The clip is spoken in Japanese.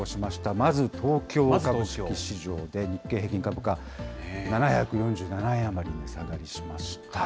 まず東京株式市場で日経平均株価７４７円余り値下がりしました。